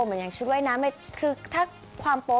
เหมือนอย่างชุดว่ายน้ำคือถ้าความโป๊